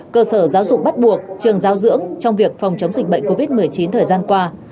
cơ sở giáo dục bắt buộc trường giáo dưỡng trong việc phòng chống dịch bệnh covid một mươi chín thời gian qua